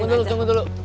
tunggu dulu tunggu dulu